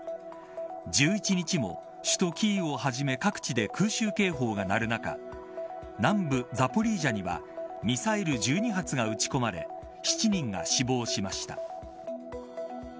１１日も首都キーウをはじめ各地で空襲警報が鳴る中南部ザポリージャにはミサイル１２発が撃ち込まれ７人が死亡しました。